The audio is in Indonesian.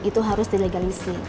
itu harus dilegalisi